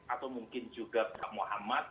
atau mungkin juga pak muhammad